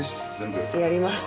やります。